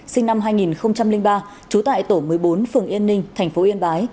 sinh năm hai nghìn ba trú tại tổ một mươi bốn phường yên ninh tp yên bái